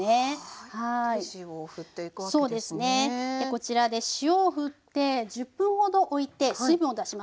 こちらで塩をふって１０分ほどおいて水分を出します。